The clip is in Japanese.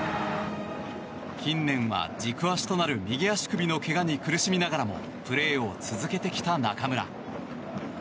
近年は軸足となる右足首の怪我に苦しみながらもプレーを続けてきた中村。